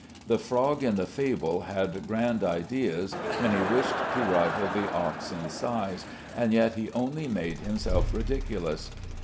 The frog in the fable had grand ideas when he wished to rival the ox in size, and yet he only made himself ridiculous.